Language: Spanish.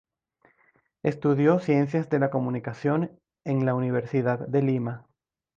Estudió Ciencias de la Comunicación en la Universidad de Lima.